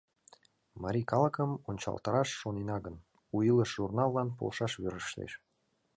Марий калыкым ончылтараш шонена гын, «У илыш» журналлан полшаш верештеш.